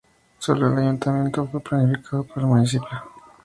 Sólo el Ayuntamiento fue planificado por el municipio.